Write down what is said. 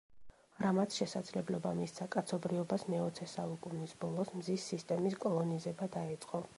რამაც შესაძლებლობა მისცა კაცობრიობას მეოცე საუკუნის ბოლოს მზის სისტემის კოლონიზება დაეწყო.